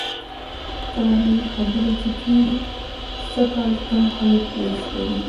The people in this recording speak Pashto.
د توانایي خبره چې کېږي، سږکال کم خلک وس لري.